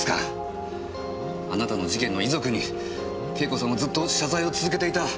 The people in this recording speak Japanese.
あなたの事件の遺族に慶子さんはずっと謝罪を続けていた。